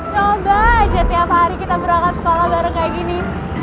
coba aja tiap hari kita berangkat sekolah bareng kayak gini